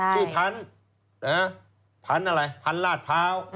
ชื่อพันธุ์พันธุ์อะไรพันธุ์ลาดพร้าว